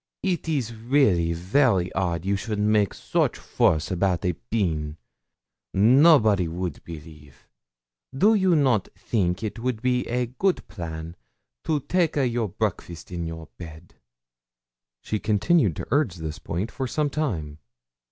It is really very odd you should make such fuss about a pin! Nobody would believe! Do you not theenk it would be a good plan to take a your breakfast in your bed?' She continued to urge this point for some time.